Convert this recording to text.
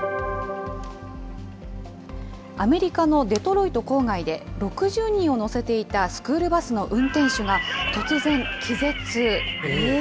アメリカのデトロイト郊外で、６０人を乗せていたスクールバスの運転手が、突然気絶。